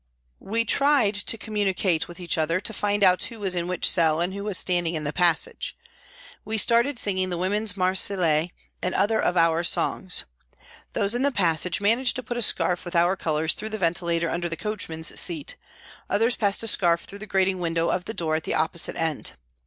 We tried to communicate with each other, to find out who was in which cell and who was standing in the passage. We started singing the Women's Marseillaise and other of our songs. Those in the passage managed to put a scarf with our colours through the ventilator under the coachman's seat, others passed a scarf through the grating window of the door at the opposite end.